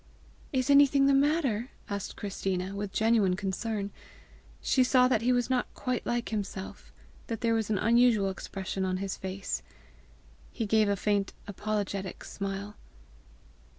"Is anything the matter?" asked Christina, with genuine concern. She saw that he was not quite like himself, that there was an unusual expression on his face. He gave a faint apologetic smile.